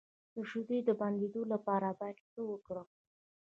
د شیدو د بندیدو لپاره باید څه وکړم؟